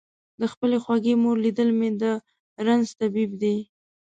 د خپلې خوږ مور لیدل مې د رنځ طبیب دی.